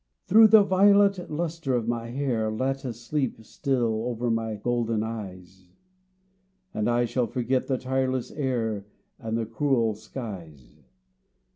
" Through the violet lustre of my hair Let a sleep steal over my golden eyes And I shall forget the tireless air And the cruel skies.